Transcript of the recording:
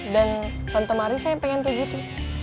dan temari saya pengen tuh gitu